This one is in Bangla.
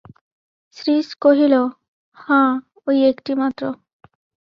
শ্রীশ কহিল, হাঁ, ঐ একটি মাত্র!